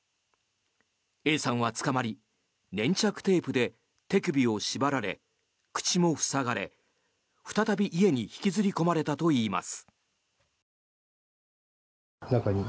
Ａさんは捕まり粘着テープで手首を縛られ口も塞がれ、再び家に引きずり込まれたといいます。